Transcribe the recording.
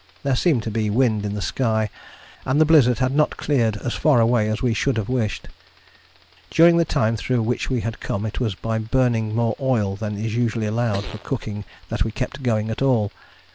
There seemed to be wind in the sky, and the blizzard had not cleared as far away as we should have wished. During the time through which we had come it was by burning more oil than is usually allowed for cooking that we kept going at all.